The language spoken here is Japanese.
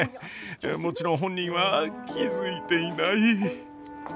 もちろん本人は気付いていない。